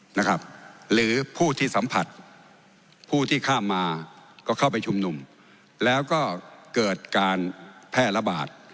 หรือผู้ที่สัมผัสผู้ที่ข้ามมาก็เข้าไปชุมนุมแล้วก็เกิดการแพร่ระบาด